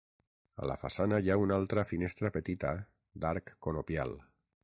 A la façana hi ha una altra finestra petita, d'arc conopial.